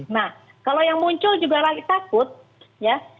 nah kalau yang muncul juga lagi takut ya